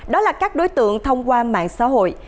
đó là các đối tượng thông qua mạng xã hội